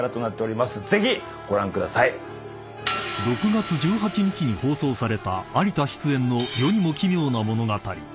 ［６月１８日に放送された有田出演の『世にも奇妙な物語』］